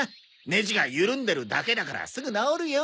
ネジが緩んでるだけだからすぐ直るよ。